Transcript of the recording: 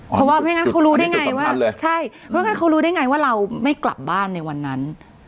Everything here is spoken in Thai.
เพราะว่าเพราะฉะนั้นเขารู้ได้ไงว่าเราไม่กลับบ้านในวันนั้น